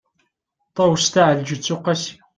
ṭawes taεelǧeţ uqasi